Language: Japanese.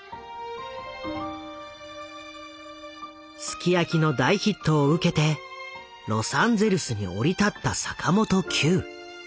「ＳＵＫＩＹＡＫＩ」の大ヒットを受けてロサンゼルスに降り立った坂本九。